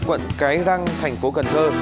quận cái răng thành phố cần thơ